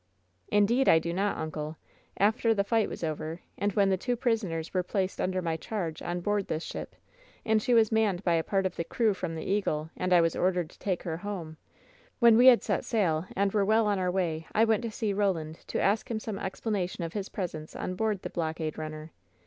"Indeed, I do not, uncle. After the fight was over, and when the two prisoners were placed under my charge on board this ship, and she was manned by a part of the crew from the Eagle, and I was ordered to take her home, when we had set sail and were well on our way I went to see Eoland, to ask him some explanation of his presence on board the blockade runner.